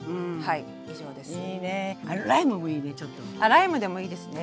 ライムもいいね。